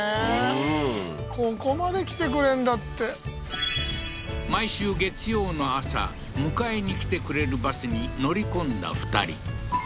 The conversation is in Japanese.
うんここまで来てくれんだって毎週月曜の朝迎えに来てくれるバスに乗り込んだ２人